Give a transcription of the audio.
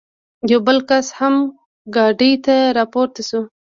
یو بل کس هم ګاډۍ ته را پورته شو.